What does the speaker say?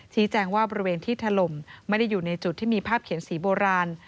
แจ้งว่าบริเวณที่ถล่มไม่ได้อยู่ในจุดที่มีภาพเขียนสีโบราณ